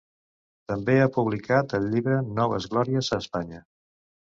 També ha publicat el llibre Noves glòries a Espanya.